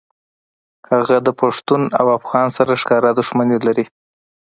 هغه د پښتون او افغان سره ښکاره دښمني لري